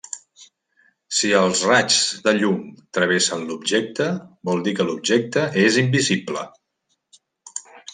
Si els raigs de llum travessen l'objecte, vol dir que l'objecte és invisible.